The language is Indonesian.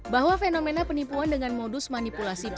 bahwa fenomena penipuan dengan modus manipulasi